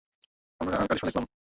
আমরা কারিশমা দেখালাম!